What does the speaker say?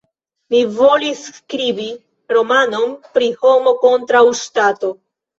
Mi volis skribi romanon pri Homo kontraŭ Ŝtato.